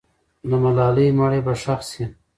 د ملالۍ مړی به ښخ سي.